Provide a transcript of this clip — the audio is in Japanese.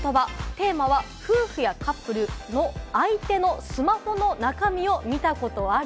テーマは夫婦やカップルの相手のスマホの中身を見たことある？